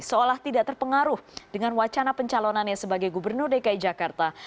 seolah tidak terpengaruh dengan wacana pencalonannya sebagai gubernur dki jakarta